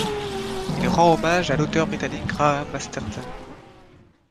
Il rend hommage à l'auteur britannique Graham Masterton.